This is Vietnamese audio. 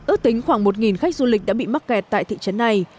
ước tính khoảng một khách du lịch đã bị mắc kẹt tại thị trấn này